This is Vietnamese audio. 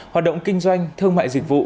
hoạt động kinh doanh thương mại dịch vụ